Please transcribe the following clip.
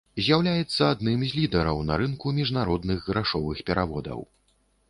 З'яўляецца адным з лідараў на рынку міжнародных грашовых пераводаў.